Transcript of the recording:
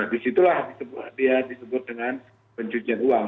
di situlah dia disebut dengan pencucian uang